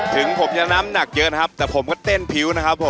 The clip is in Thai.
ถึงผมจะน้ำหนักเยอะนะครับแต่ผมก็เต้นผิวนะครับผม